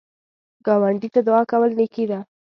ګاونډي ته دعا کول نیکی ده